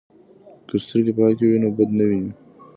که سترګې پاکې وي نو بد نه ویني.